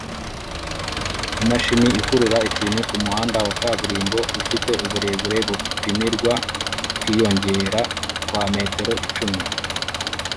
Imashini ikurura ikintu kumuhanda wa kaburimbo ufite uburebure bupimirwa kwiyongera kwa metero icumi